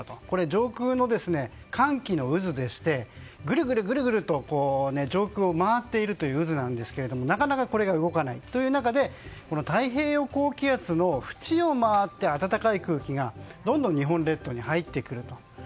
上空の寒気の渦でしてぐるぐると、上空を回っているという渦なんですがなかなかこれが動かない中で太平洋高気圧の縁を回って暖かい空気がどんどん日本列島に入ってくると。